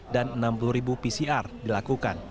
dan enam puluh pcr dilakukan